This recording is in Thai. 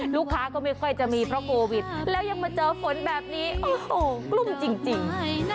ลูกค้าก็ไม่ค่อยจะมีเพราะโควิดแล้วยังมาเจอฝนแบบนี้โอ้โหกลุ้มจริง